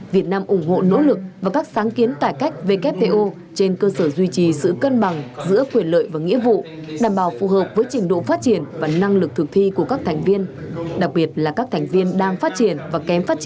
việt nam ủng hộ nỗ lực và các sáng kiến tải cách wto trên cơ sở duy trì sự cân bảo